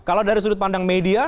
kalau dari sudut pandang media